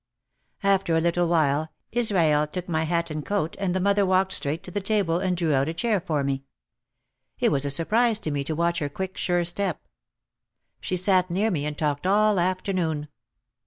After a little while Israel took my hat and coat and the mother walked straight to the table and drew out a chair for me. It was a surprise to me to watch her quick sure step. She sat near me and talked all afternoon.